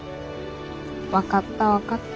分かった分かった。